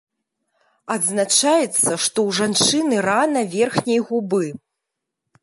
Адзначаецца, што ў жанчыны рана верхняй губы.